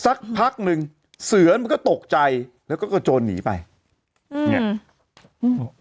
สักพักหนึ่งเสือมันก็ตกใจแล้วก็กระโจรหนีไปอืม